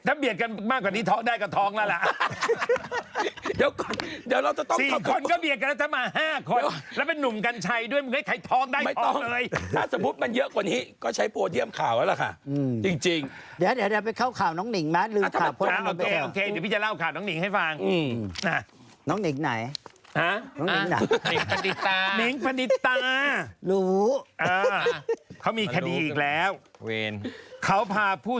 ถ้าเบียดกันมากกว่านี้ท้องได้ก็ท้องแล้วล่ะ